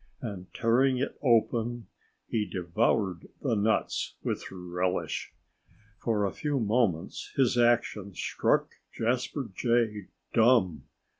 And, tearing it open, he devoured the nuts with relish. For a few moments his action struck Jasper Jay dumb.